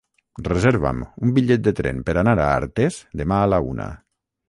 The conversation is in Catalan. Reserva'm un bitllet de tren per anar a Artés demà a la una.